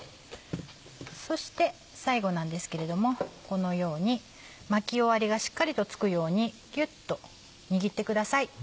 そして最後なんですけれどもこのように巻き終わりがしっかりと付くようにギュっと握ってください。